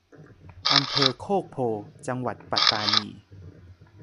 อำเภอโคกโพธิ์ จังหวัดปัตตานี